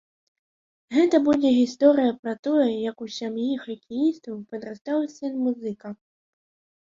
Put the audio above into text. Гэта будзе гісторыя пра тое, як у сям'і хакеістаў падрастаў сын-музыка.